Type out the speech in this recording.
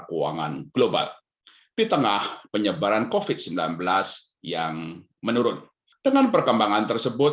keuangan global di tengah penyebaran covid sembilan belas yang menurun dengan perkembangan tersebut